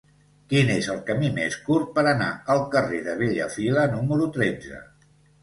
Quin és el camí més curt per anar al carrer de Bellafila número tretze?